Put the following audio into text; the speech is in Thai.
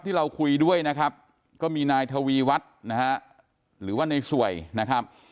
ที่เราคุยด้วยนะครับก็มีนายทวีวัฒน์นะฮะหรือว่าในสวยนะครับ